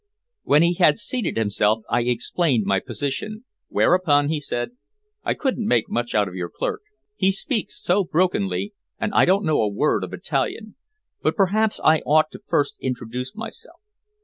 When he had seated himself I explained my position, whereupon he said "I couldn't make much out of your clerk. He speaks so brokenly, and I don't know a word of Italian. But perhaps I ought to first introduce myself.